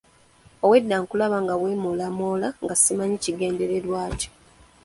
Obwedda nkulaba nga weemoolamoola nga simanyi kigendererwa kyo.